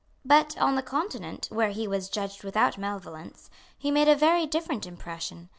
But, on the Continent, where he was judged without malevolence, he made a very different impression.